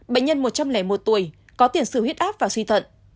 bệnh nhân một trăm linh một tuổi có tiền sử huyết áp và suy thận